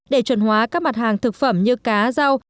để chuẩn hóa các mặt hàng thực phẩm như cá rau